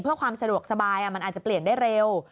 เพื่อความสะดวกสบายมันอาจจะเปลี่ยนได้เร็ว